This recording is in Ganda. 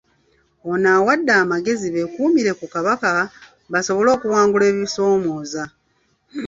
Ono abawadde amagezi bekuumire ku Kabaka basobole okuwangula ebisomooza.